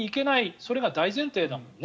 それが大前提だもんね。